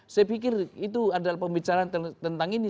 saya pikir itu adalah pembicaraan tentang ini